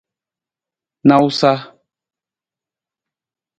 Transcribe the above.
Nawusa.